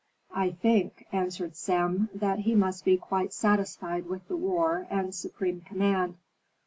"I think," answered Sem, "that he must be quite satisfied with the war and supreme command.